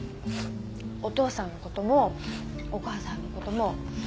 お父さんのこともお母さんのことも。